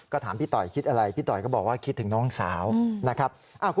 ก็ถามพี่ต่อยคิดอะไรพี่ต่อยก็บอกว่าคิดถึงน้องสาวนะครับ